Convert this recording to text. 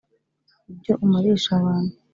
ibyo umarisha abantu